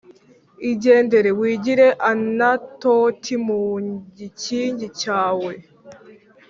igendere wigire Anatoti mu gikingi cyawe